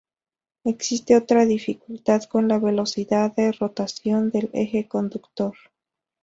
Existe otra dificultad con la velocidad de rotación del eje conductor.